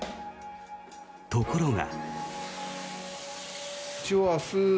ところが。